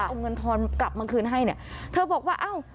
เอาเงินทอนกลับมาคืนให้เนี่ยเธอบอกว่าอ้าว